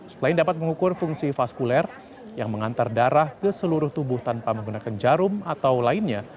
selain dapat mengukur fungsi vaskuler yang mengantar darah ke seluruh tubuh tanpa menggunakan jarum atau lainnya